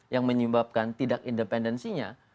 yang menyebabkan tidak independensinya